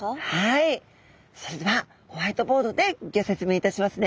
それではホワイトボードでギョ説明いたしますね。